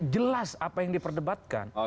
jelas apa yang diperdebatkan